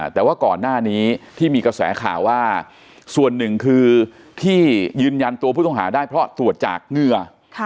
แต่ว่าก่อนหน้านี้ที่มีกระแสข่าวว่าส่วนหนึ่งคือที่ยืนยันตัวผู้ต้องหาได้เพราะตรวจจากเหงื่อ